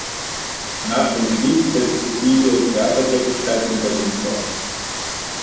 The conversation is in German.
Nach dem Krieg setzte sie ihre Theatertätigkeit in Berlin fort.